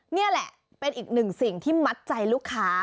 นี่แหละเป็นอีกหนึ่งสิ่งที่มัดใจลูกค้า